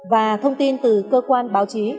và thông tin từ cơ quan báo chí